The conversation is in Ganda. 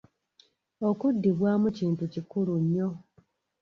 Okuddibwamu kintu kikulu nnyo.